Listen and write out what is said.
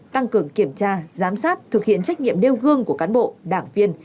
tăng cường kiểm tra giám sát thực hiện trách nhiệm nêu gương của cán bộ đảng viên